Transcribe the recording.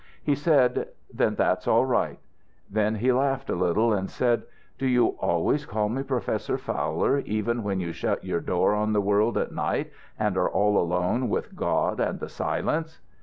"He said, 'Then that's all right.' Then he laughed a little and said, 'Do you always call me Professor Fowler, even when you shut your door on the world at night and are all alone with God and the silence?'